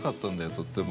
とっても。